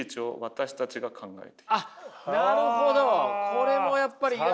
これもやっぱりいや。